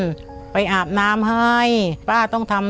คนที่สองชื่อน้องก็เอาหลานมาให้ป้าวันเลี้ยงสองคน